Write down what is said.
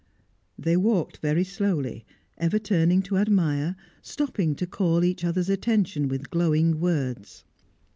They walked very slowly, ever turning to admire, stopping to call each other's attention with glowing words.